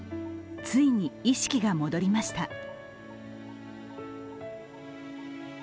ついに意識が戻りました。